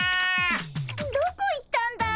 どこ行ったんだい？